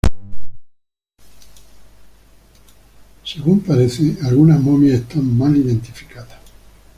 Según parece, algunas momias están mal identificadas.